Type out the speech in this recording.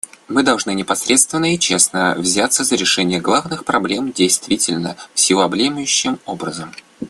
Мы должны непосредственно и честно взяться за решение главных проблем действительно всеобъемлющим образом.